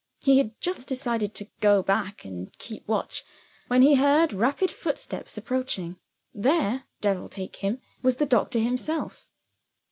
He had just decided to go back and keep watch when he heard rapid footsteps approaching. There (devil take him!) was the doctor himself.